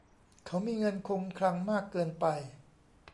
เขามีเงินคงคลังมากเกินไป